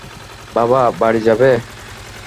বাবা, বাড়ি যাবে?